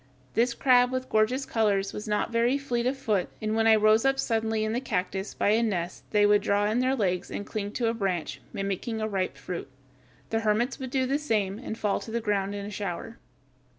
This crab with gorgeous colors was not very fleet of foot, and when I rose up suddenly in the cactus by a nest they would draw in their legs and cling to a branch, mimicking ripe fruit. The hermits would do the same, and fall to the ground in a shower.